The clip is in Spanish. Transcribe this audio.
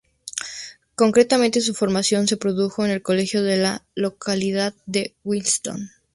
Concretamente, su formación se produjo en el Colegio de la localidad de Wellington.